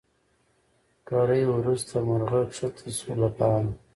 ګړی وروسته مرغه کښته سو له بامه